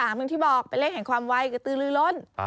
อย่างที่บอกเป็นเลขแห่งความไวกระตือลือล้น